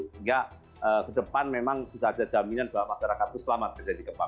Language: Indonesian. sehingga ke depan memang bisa ada jaminan bahwa masyarakat itu selamat terjadi gempa